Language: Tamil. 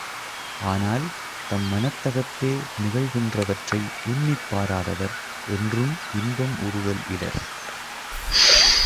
ஆனால் தம் மனத்தகத்தே நிகழ்கின்றவற்றை உன்னிப் பாராதவர் என்றும் இன்பம் உறுதல் இலர்.